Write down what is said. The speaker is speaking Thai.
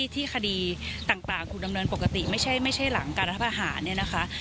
ที่คดีต่างถูกดำเนินปกติไม่ใช่หลังการรัฐประหารเนี่ยนะคะ